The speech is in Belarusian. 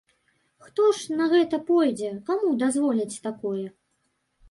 Хто ж на гэта пойдзе, каму дазволяць такое?